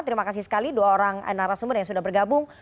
terima kasih sekali dua orang narasumber yang sudah bergabung